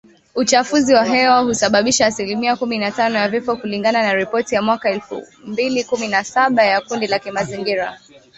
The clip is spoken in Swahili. Uchafuzi wa hewa husababisha asilimia kumi na tano ya vifo kulingana na ripoti ya mwaka elfu mbili kumi na saba ya kundi la kimazingira